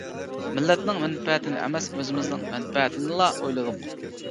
مىللەتنىڭ مەنپەئەتىنى ئەمەس، ئۆزىمىزنىڭ مەنپەئەتىنىلا ئويلىدۇق.